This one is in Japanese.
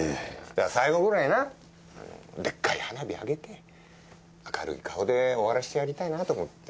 最後くらいなでっかい花火あげて明るい顔で終わらせてやりたいなと思って。